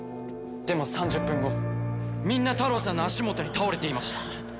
でも３０分後みんなタロウさんの足元に倒れていました。